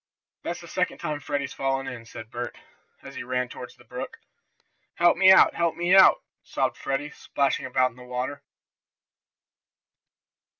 "That's the second time Freddie's fallen in," said Bert, as he ran toward the brook. "Help me out! Help me out!" sobbed Freddie, splashing about in the water.